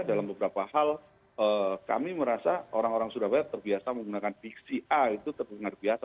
dalam beberapa hal kami merasa orang orang surabaya terbiasa menggunakan fiksi a itu terdengar biasa